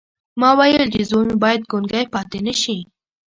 ما ویل چې زوی مې باید ګونګی پاتې نه شي